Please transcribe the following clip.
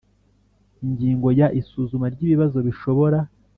Ingingo ya isuzuma ry ibibazo bishobora